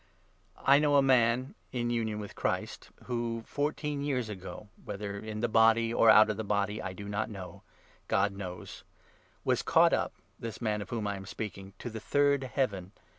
I know a man in union with Christ, who, fourteen years ago — 2 whether in the body or out of the body I do not know ; God knows — was caught up (this man of whom I am speaking) to the third Heaven.